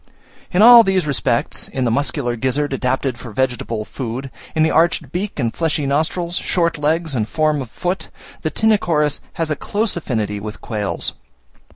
In all these respects, in the muscular gizzard adapted for vegetable food, in the arched beak and fleshy nostrils, short legs and form of foot, the Tinochorus has a close affinity with quails.